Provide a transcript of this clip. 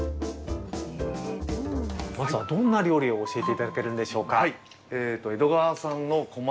まずはどんな料理を教えて頂けるんでしょうか？